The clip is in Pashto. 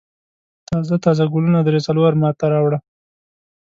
تازه تازه ګلونه درې څلور ما ته راوړه.